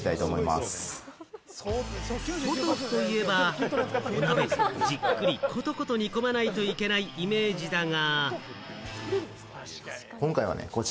ポトフといえば、お鍋でじっくりコトコト煮込まないといけないイメージだが。